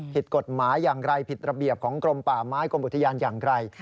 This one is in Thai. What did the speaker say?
ผิดกฎหมายอย่างไรผิดระเบียบของกรมป่าไม้กรมอุทยานอย่างไร